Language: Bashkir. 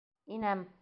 Инәм!